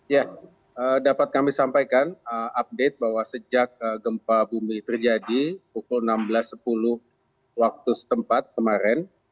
ya dapat kami sampaikan update bahwa sejak gempa bumi terjadi pukul enam belas sepuluh waktu setempat kemarin